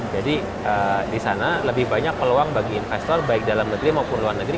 jadi disana lebih banyak peluang bagi investor baik dalam negeri maupun luar negeri